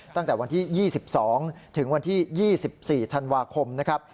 ตั้งแต่วันที่๒๒ถึงวันที่๒๔ธันวาคมนะครับ